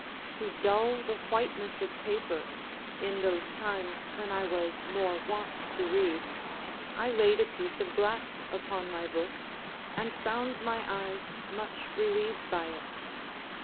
To dull the whiteness of paper, in those times when I was more wont to read, I laid a piece of glass upon my book, and found my eyes much relieved by it.